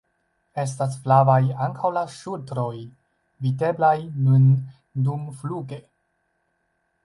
Estas flavaj ankaŭ la ŝultroj, videblaj nun dumfluge.